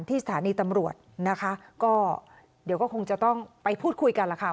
สถานีตำรวจนะคะก็เดี๋ยวก็คงจะต้องไปพูดคุยกันล่ะค่ะ